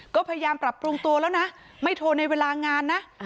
ก็พยายามปรับปรุงตัวแล้วนะไม่โทรในเวลางานนะ